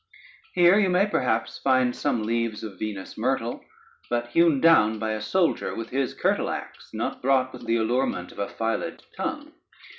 Here you may perhaps find some leaves of Venus' myrtle, but hewn down by a soldier with his curtal axe, not bought with the allurement of a filed tongue.